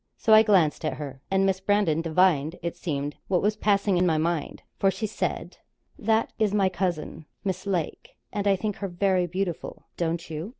So I glanced at her, and Miss Brandon divined, it seemed, what was passing in my mind, for she said: 'That is my cousin, Miss Lake, and I think her very beautiful don't you?'